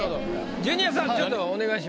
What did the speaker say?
ジュニアさんちょっとお願いします。